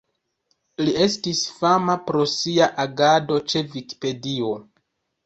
Li estis fama pro sia agado ĉe Vikipedio.